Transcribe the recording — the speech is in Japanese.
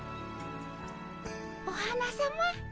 お花さま。